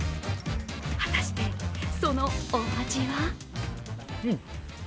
果たして、そのお味は？